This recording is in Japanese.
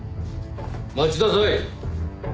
待ちなさい。